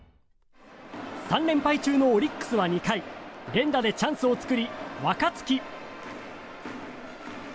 ３連敗中のオリックスは２回連打でチャンスを作り、若月。